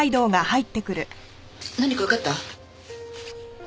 何かわかった？